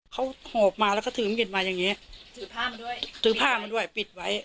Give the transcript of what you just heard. เขาหอบมาแล้วก็ถือมีดมาอย่างนี้ถือผ้ามันด้วยปิดไว้